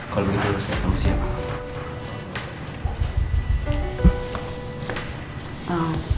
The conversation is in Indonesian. kalau begitu harusnya kamu siap